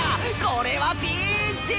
これはピーンチ！